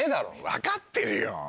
分かってるよ。